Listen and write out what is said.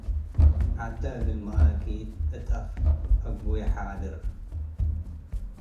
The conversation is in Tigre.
ዐደ እግል መኣኪት እት አፍ አግቡይ ሓድር